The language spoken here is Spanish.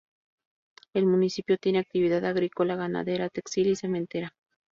El municipio tiene actividad agrícola, ganadera, textil y cementera.